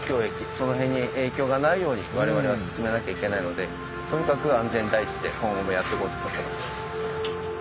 その辺に影響がないように我々は進めなきゃいけないのでとにかく安全第一で今後もやっていこうと思ってます。